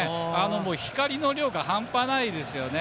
光の量が半端ないですよね。